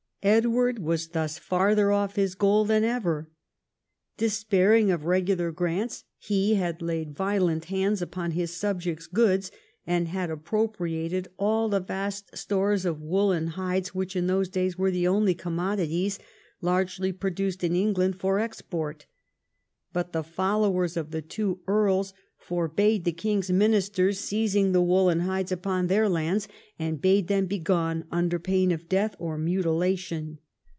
Edward was thus farther off his goal than ever. Despairing of regular grants, he had laid violent hands upon his subjects' goods, and had appropriated all the vast stores of wool and hides Avhich in those days were the only commodities largely produced in England for export. But the followers of the two earls forbade the king's ministers seizing the wool and hides upon their lands, and bade them begone under pain of death or mutilation.